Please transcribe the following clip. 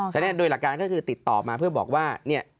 ฉะนั้นโดยหลักการก็คือติดต่อมาเพื่อบอกว่าเนี่ย